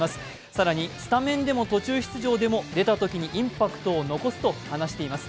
更に、スタメンでも途中出場でも出たときにインパクトを残すと話しています。